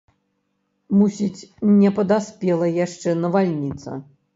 Мусіць, не падаспела яшчэ навальніца.